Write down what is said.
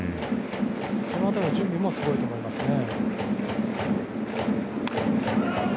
そのあたりの準備もすごいと思いますね。